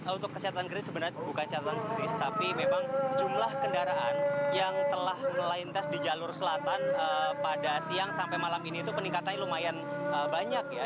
untuk kesehatan gratis sebenarnya bukan catatan kritis tapi memang jumlah kendaraan yang telah melintas di jalur selatan pada siang sampai malam ini itu peningkatannya lumayan banyak ya